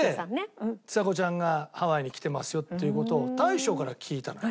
でちさ子ちゃんがハワイに来てますよっていう事を大将から聞いたのよ。